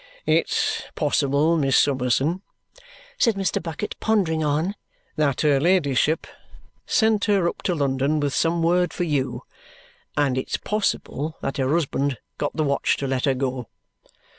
"It's possible, Miss Summerson," said Mr. Bucket, pondering on it, "that her ladyship sent her up to London with some word for you, and it's possible that her husband got the watch to let her go.